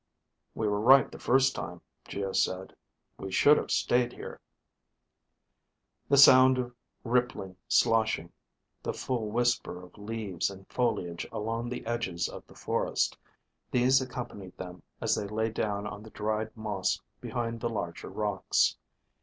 "We were right the first time," Geo said. "We should have stayed here." The sound of rippling, sloshing, the full whisper of leaves and foliage along the edges of the forest these accompanied them as they lay down on the dried moss behind the larger rocks.